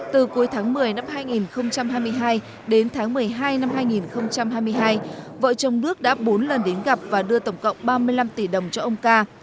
từ cuối tháng một mươi năm hai nghìn hai mươi hai đến tháng một mươi hai năm hai nghìn hai mươi hai vợ chồng đức đã bốn lần đến gặp và đưa tổng cộng ba mươi năm tỷ đồng cho ông ca